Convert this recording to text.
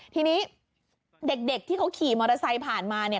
ทีนี้เด็กที่เขาขี่มอเตอร์ไซค์ผ่านมาเนี่ย